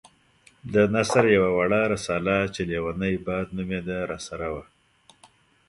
د نثر يوه وړه رساله چې ليونی باد نومېده راسره وه.